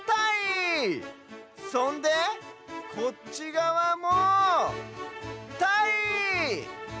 そんでこっちがわもたい！